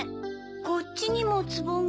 こっちにもつぼが。